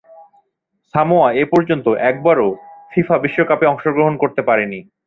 Samoa এপর্যন্ত একবারও FIFA বিশ্বকাপে অংশগ্রহণ করতে পারেনি।